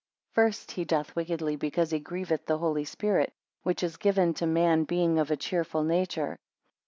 First, he doth wickedly, because he grieveth the Holy Spirit, which is given to man being of a cheerful nature.